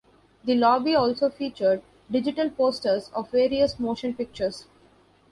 The lobby also featured digital posters of various motion pictures.